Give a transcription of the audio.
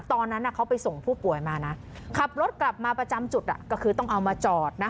ตอนนั้นเขาไปส่งผู้ป่วยมานะขับรถกลับมาประจำจุดก็คือต้องเอามาจอดนะ